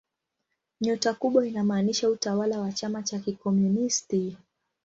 Nyota kubwa inamaanisha utawala wa chama cha kikomunisti.